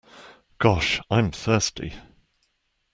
Gosh, I'm thirsty.